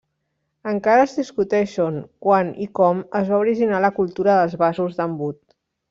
Encara es discuteix on, quan i com es va originar la cultura dels vasos d'embut.